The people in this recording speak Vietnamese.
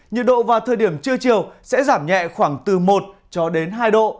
nhiệt độ vào thời điểm trưa chiều sẽ giảm nhẹ khoảng từ một cho đến hai độ